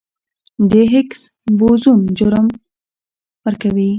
د هیګز بوزون جرم ورکوي.